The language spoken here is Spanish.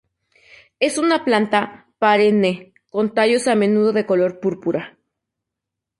Es una planta perenne con tallos a menudo de color púrpura.